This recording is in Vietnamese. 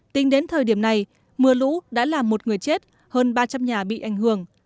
tính đến thời điểm này mưa lũ đã làm một người chết hơn ba trăm linh nhà bị ảnh hưởng